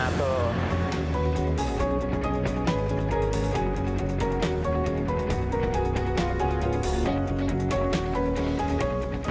jadi kita harus pergi ke tempat lain